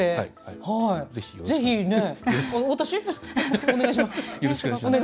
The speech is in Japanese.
ぜひお願いします。